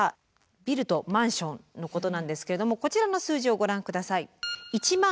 ビルとマンションのことなんですけれどもこちらの数字をご覧下さい。